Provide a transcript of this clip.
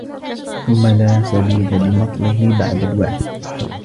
ثُمَّ لَا سَبِيلَ لِمَطْلِهِ بَعْدَ الْوَعْدِ